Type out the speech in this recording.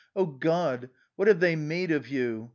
" O, God! what have they made of you?